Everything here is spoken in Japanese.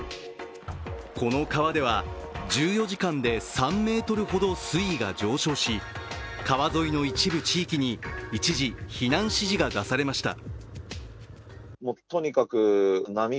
この川では１４時間で３ｍほど水位が上昇し川沿いの一部地域に一時、避難指示が出されました。